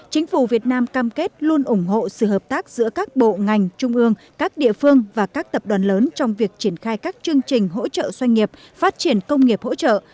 chính phủ việt nam cam kết luôn ủng hộ sự hợp tác giữa các bộ ngành trung ương các địa phương và các tập đoàn lớn trong việc triển khai các chương trình hỗ trợ doanh nghiệp phát triển công nghiệp hỗ trợ